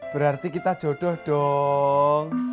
berarti kita jodoh dong